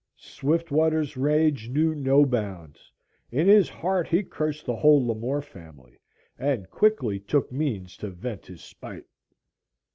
Swiftwater's rage knew no bounds. In his heart he cursed the whole Lamore family and quickly took means to vent his spite.